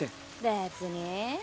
別に？